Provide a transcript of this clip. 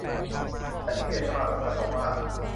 ฉันเกลียดสมาคมเจ้าของบ้าน